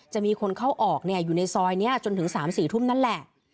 จะมีคนเข้าออกเนี่ยอยู่ในซอยเนี่ยจนถึงสามสี่ทุ่มนั่นแหละ